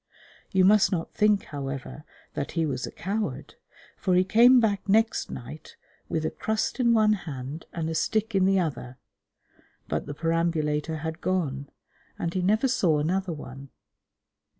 You must not think, however, that he was a coward, for he came back next night with a crust in one hand and a stick in the other, but the perambulator had gone, and he never saw another one.